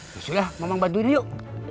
ya sudah mamang bantuin yuk